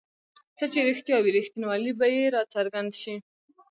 څه چې رښتیا وي رښتینوالی به یې راڅرګند شي.